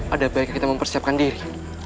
ada baiknya kita mempersiapkan diri